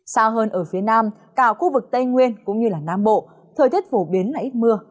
xa hơn ở phía nam cả khu vực tây nguyên cũng như nam bộ thời tiết phổ biến là ít mưa